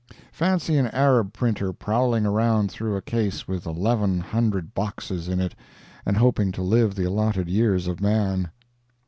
Fancy an Arab printer prowling around through a case with eleven hundred boxes in it and hoping to live the allotted years of man!